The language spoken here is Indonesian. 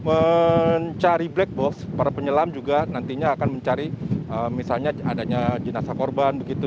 jadi selain mencari black box para penyelam juga nantinya akan mencari misalnya adanya jenazah korban begitu